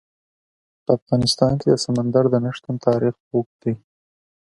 په افغانستان کې د سمندر نه شتون تاریخ اوږد دی.